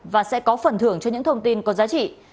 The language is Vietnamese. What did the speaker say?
và sẽ có phần thưởng cho những thông tin có giá trị